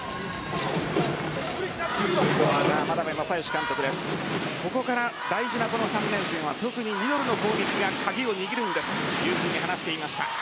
眞鍋政義監督はここから大事な３連戦特にミドルの攻撃が鍵を握るんですと話していました。